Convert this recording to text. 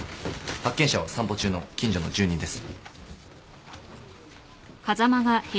発見者は散歩中の近所の住人です。